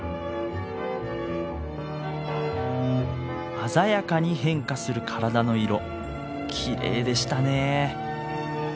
鮮やかに変化する体の色きれいでしたねえ。